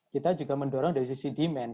kita juga mendorong dari sisi demand